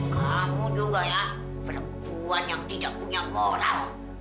kamu juga ya perempuan yang tidak punya moral